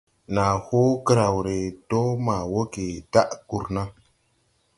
Naa hoo graw re do ma wooge daʼ gurna.